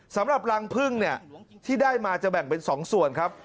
สำหรับรังพึ่งเนี่ยที่ได้มาจะแบ่งเป็น๒ส่วนครับ